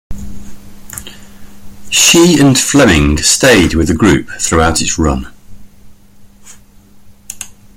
She and Fleming stayed with the group throughout its run.